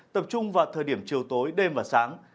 tập trung vào thời điểm chiều tối đêm và sáng